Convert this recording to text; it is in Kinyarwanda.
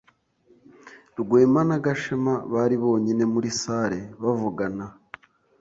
Rwema na Gashema bari bonyine muri salle, bavugana.